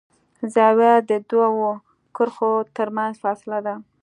زاویه د دوو کرښو تر منځ فاصله ده.